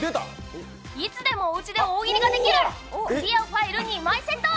いつでもおうちで大喜利ができるクリアファイル２枚セット！